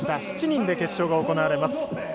７人で決勝が行われます。